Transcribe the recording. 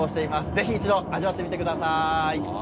ぜひ一度味わってみてください！